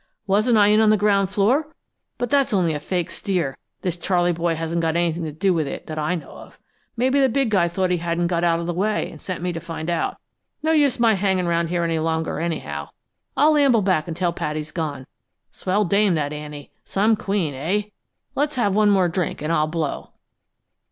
Wasn't I in on the ground floor? But that's only a fake steer; this Charley boy hasn't got anything to do with it, that I know of. Maybe the big guy thought he hadn't got out of the way, and sent me to find out. No use my hanging round here any longer, anyhow. I'll amble back and tell Pad he's gone. Swell dame, that Annie some queen, eh? Let's have one more drink and I'll blow!"